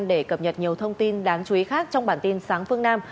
để cập nhật nhiều thông tin đáng chú ý khác trong bản tin sáng phương nam